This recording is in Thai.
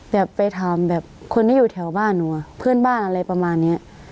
แบบไปถามแบบคนที่อยู่แถวบ้านหนูอ่ะเพื่อนบ้านอะไรประมาณเนี้ย